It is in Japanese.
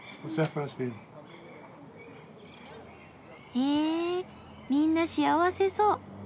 へぇみんな幸せそう。